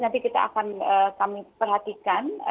nanti kita akan kami perhatikan